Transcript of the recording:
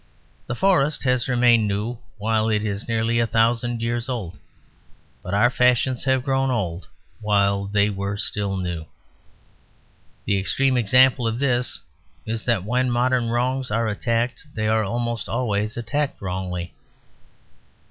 The forest has remained new while it is nearly a thousand years old; but our fashions have grown old while they were still new. The extreme example of this is that when modern wrongs are attacked, they are almost always attacked wrongly.